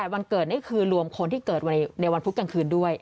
วันเกิดนี่คือรวมคนที่เกิดในวันพุธกลางคืนด้วย